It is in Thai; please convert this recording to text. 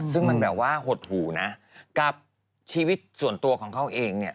ซึ่งมันแบบว่าหดหูนะกับชีวิตส่วนตัวของเขาเองเนี่ย